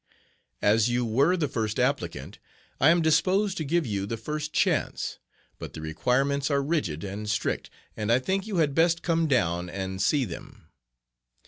As you were the first applicant, I am disposed to give you the first chance; but the requirements are rigid and strict, and I think you had best come down and see them.